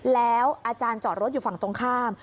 แล้วอาจารย์จอดรถอยู่ฝั่งตรงข้าม